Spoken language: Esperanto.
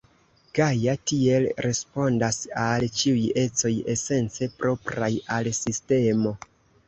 Gaja tiel respondas al ĉiuj ecoj esence propraj al sistemo.